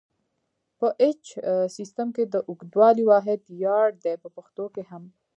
په ایچ سیسټم کې د اوږدوالي واحد یارډ دی په پښتو کې هم.